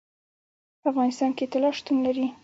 په افغانستان کې طلا شتون لري.